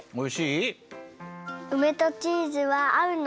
うめとチーズはあうの？